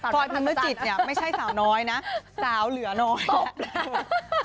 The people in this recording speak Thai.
พลอยมหัศจรรย์ไม่ใช่สาวน้อยนะสาวเหลือน้อย